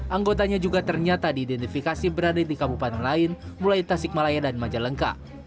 anggotanya juga ternyata diidentifikasi berada di kabupaten lain mulai tasik malaya dan majalengka